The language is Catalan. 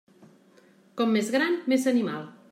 Com més gran, més animal.